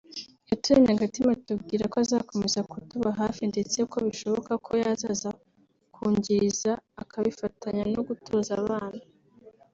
yaturemye agatima atubwira ko azakomeza kutuba hafi ndetse ko bishoboka ko yazaza kungiriza akabifatanya no gutoza abana